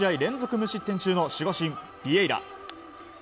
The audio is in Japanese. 無失点中の守護神、ビエイラ。